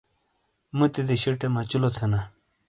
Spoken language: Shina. موتی دیشٹے مچلو تھینا۔